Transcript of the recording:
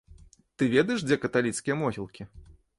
Ты ведаеш, дзе каталіцкія могілкі?